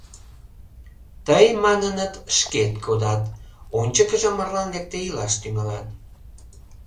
Тый, маныныт, шкет кодат, ончыкыжым марлан лекде илаш тӱҥалат.